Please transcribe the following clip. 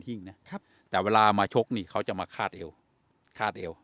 ิ้งนะครับแต่เวลามาชกนี่เขาจะมาคาดเอวคาดเอว